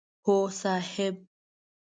هو صاحب!